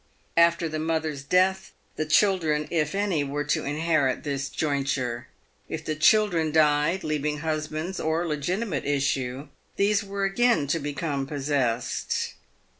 After the mother's death, the chil dren — if any — were to inherit this jointure. If the children died, leaving husbands or (legitimate) issue, these were again to become possessed.